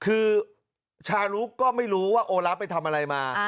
คือชาลุก็ไม่รู้ว่าโอละไปทำอะไรมา